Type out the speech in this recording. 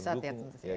ya pusat ya tentu saja